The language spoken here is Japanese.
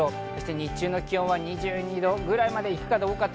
日中の気温は２２度くらいまで行くかどうか。